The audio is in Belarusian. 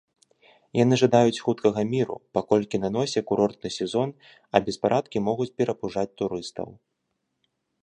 Яны жадаюць хуткага міру, паколькі на носе курортны сезон, а беспарадкі могуць перапужаць турыстаў.